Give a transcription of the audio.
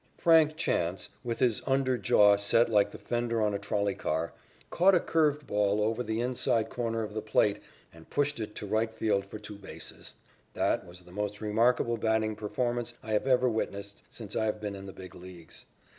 Frank Chance, with his under jaw set like the fender on a trolley car, caught a curved ball over the inside corner of the plate and pushed it to right field for two bases. That was the most remarkable batting performance I have ever witnessed since I have been in the Big Leagues.